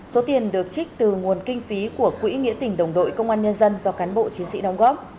số tiền được trích từ nguồn kinh phí của quỹ nghĩa tỉnh đồng đội công an nhân dân do cán bộ chiến sĩ đóng góp